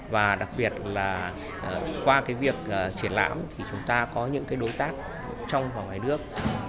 và đặc biệt là qua việc triển lãm thì chúng ta có những đối tác trong và ngoài nước